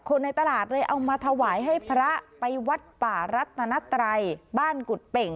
ในตลาดเลยเอามาถวายให้พระไปวัดป่ารัตนัตรัยบ้านกุฎเป่ง